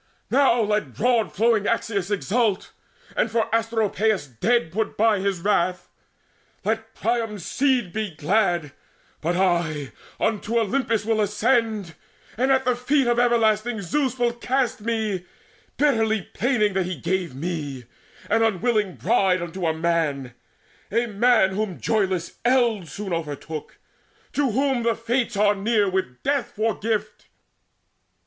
Now let broad flowing Axius Exult, and for Asteropaeus dead Put by his wrath! Let Priam's seed be glad But I unto Olympus will ascend, And at the feet of everlasting Zeus Will cast me, bitterly planning that he gave Me, an unwilling bride, unto a man A man whom joyless eld soon overtook, To whom the Fates are near, with death for gift.